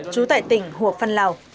chú tại tỉnh hồ phan lào